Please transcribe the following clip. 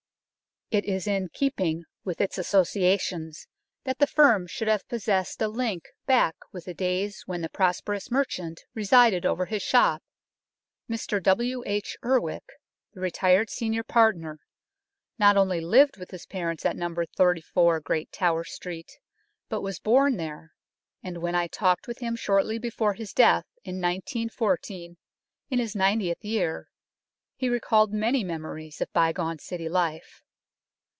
It is in keeping with its associations that the A CITY MERCHANT'S MANSION 89 firm should have possessed a link back with the days when the prosperous merchant resided over his shop. Mr W. H. Urwick, the retired senior partner, not only lived with his parents at No. 34 Great Tower Street, but was born there, and when I talked with him shortly before his death in 1914, in his ninetieth year, he recalled many memories of bygone City life.